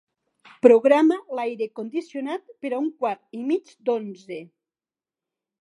Programa l'aire condicionat per a un quart i mig d'onze.